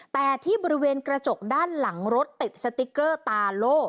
แต่ที่บริเวณกระจกด้านหลังรถติดสติ๊กเกอร์ตาโล่